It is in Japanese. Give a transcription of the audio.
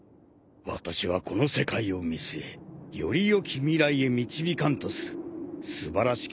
私はこの世界を見据えより良き未来へ導かんとする素晴らしき